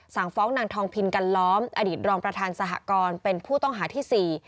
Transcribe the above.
สั่งฟ้องนางทองพินกันล้อมอดีตรองประธานสหกรเป็นผู้ต้องหาที่๔